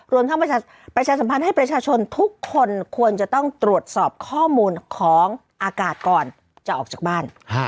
รวมทั้งประชาสัมพันธ์ให้ประชาชนทุกคนควรจะต้องตรวจสอบข้อมูลของอากาศก่อนจะออกจากบ้าน